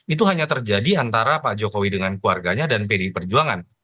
itu hanya terjadi antara pak jokowi dengan keluarganya dan pdi perjuangan